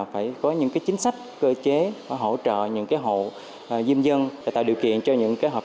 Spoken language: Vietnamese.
phải có những cái chính sách cơ chế và hỗ trợ những cái hộ diêm dân và tạo điều kiện cho những cái hợp